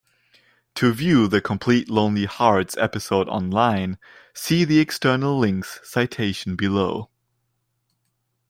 To view the complete "Lonely Hearts" episode online, see the External links citation below.